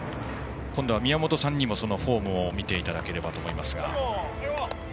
今度は宮本さんにもそのフォーム見ていただければと思います。